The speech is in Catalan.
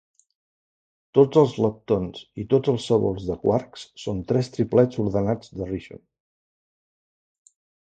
Tots els leptons i tots els sabors de quarks son tres triplets ordenats de Rishon.